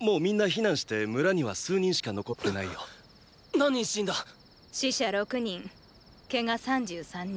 何人死んだ⁉死者６人ケガ３３人。